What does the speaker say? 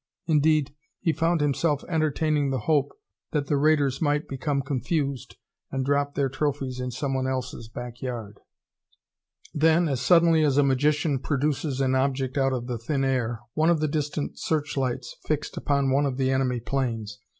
Indeed, he found himself entertaining the hope that the raiders might become confused and drop their trophies in somebody else's back yard. Then, as suddenly as a magician produces an object out of the thin air, one of the distant searchlights fixed upon one of the enemy planes.